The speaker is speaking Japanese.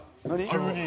急に。